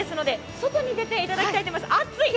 外に出ていただきたいと思います、熱い！